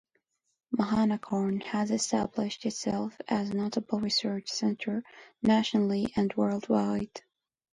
Mahanakorn has established itself as notable research centre nationally and worldwide.